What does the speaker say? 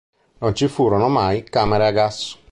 Non ci furono mai camere a gas.